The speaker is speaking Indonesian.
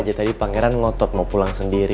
aja tadi pangeran ngotot mau pulang sendiri